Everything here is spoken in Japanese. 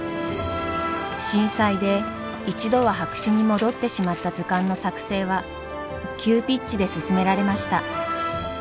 震災で一度は白紙に戻ってしまった図鑑の作成は急ピッチで進められました。